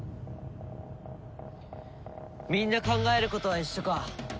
みんな考えることは一緒か。